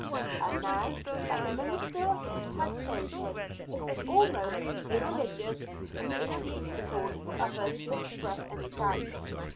And now that the ministers had spoken, it was almost irreligious and atheistical for others to express any doubt.